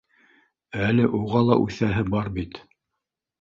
Әле уға ла үҫәһе бар бит